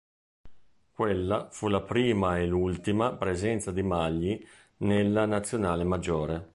Quella fu la prima e l'ultima presenza di Magli nella Nazionale Maggiore.